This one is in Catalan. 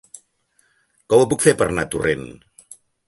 Com ho puc fer per anar a Torrent?